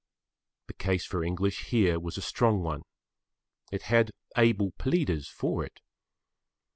The case for English here was a strong one. It had able pleaders for it.